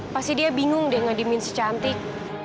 pasti dia bingung deh ngedimin si cantik